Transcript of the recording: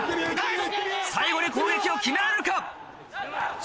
最後に攻撃を決められるか？